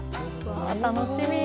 わ楽しみ。